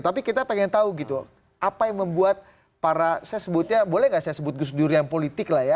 tapi kita pengen tahu gitu apa yang membuat para saya sebutnya boleh nggak saya sebut gus durian politik lah ya